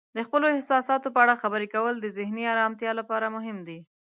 د خپلو احساساتو په اړه خبرې کول د ذهني آرامتیا لپاره مهم دی.